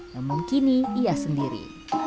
namun kini dia sendiri